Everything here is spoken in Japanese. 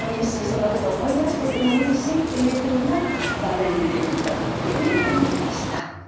そんなこと思い出しててもいいしっていうふうな場面にできるかなというふうに思いました。